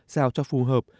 sao cho phù hợp